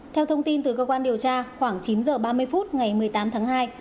theo thông tin từ cơ quan điều tra khoảng chín h ba mươi phút ngày một mươi tám tháng hai